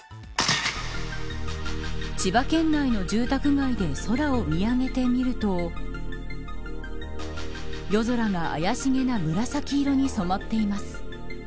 千葉県内の住宅街で空を見上げてみると夜空が怪しげな紫色に染まっています。